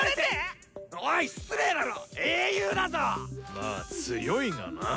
まぁ強いがなあ。